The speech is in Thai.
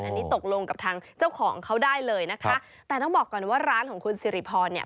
อันนี้ตกลงกับทางเจ้าของเขาได้เลยนะคะแต่ต้องบอกก่อนว่าร้านของคุณสิริพรเนี่ย